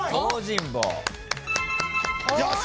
よし。